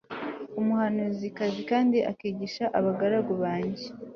umuhanuzikazi kandi akigisha abagaragu banjye